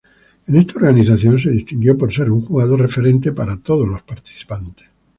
En esta organización se distinguió por ser un jugador referente para todos los participantes.